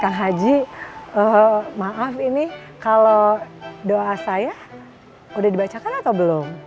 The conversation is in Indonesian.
kak haji maaf ini kalau doa saya udah dibacakan atau belum